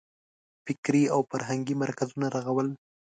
فکري او فرهنګي مرکزونه رغول.